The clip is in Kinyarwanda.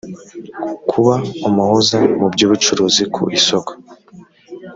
kuba umuhuza mu by ubucuruzi ku isoko